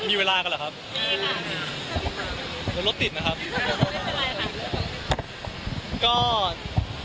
มีเวลากันหรอครับหรือรถติดนะครับ